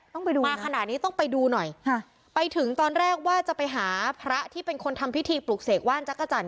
ต้องไปดูมาขนาดนี้ต้องไปดูหน่อยค่ะไปถึงตอนแรกว่าจะไปหาพระที่เป็นคนทำพิธีปลูกเสกว่านจักรจันท